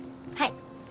はい。